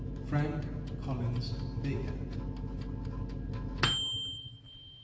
Frank Collins Baker.